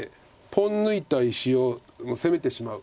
ポン抜いた石を攻めてしまう。